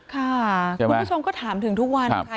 คุณผู้ชมก็ถามถึงทุกวันค่ะ